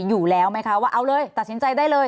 อยู่แล้วไหมคะว่าเอาเลยตัดสินใจได้เลย